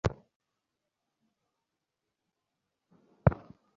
যত প্রকার অস্তিত্ব আছে, সবই সেই এক বিন্দুর দিকে আকৃষ্ট হয়।